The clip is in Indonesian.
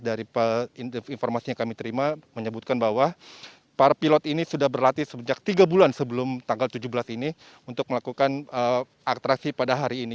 dari informasi yang kami terima menyebutkan bahwa para pilot ini sudah berlatih sejak tiga bulan sebelum tanggal tujuh belas ini untuk melakukan atraksi pada hari ini